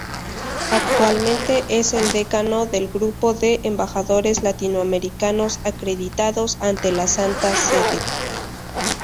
Actualmente es el Decano del Grupo de Embajadores Latinoamericanos acreditados ante la Santa Sede.